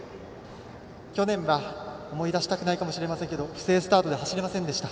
去年は思い出したくないかもしれませんが不正スタートで走れませんでした。